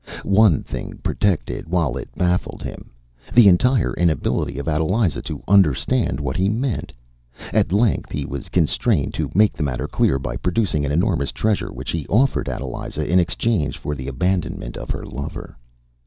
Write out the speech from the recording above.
One thing protected while it baffled him the entire inability of Adeliza to understand what he meant. At length he was constrained to make the matter clear by producing an enormous treasure, which he offered Adeliza in exchange for the abandonment of her lover.